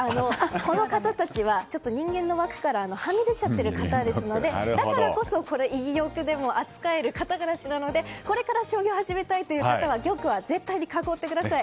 この方たちは、人間の枠からはみ出ちゃってる方ですのでだからこそ居玉を扱える方たちなのでこれから将棋を始めたいという方は絶対に玉を囲ってください。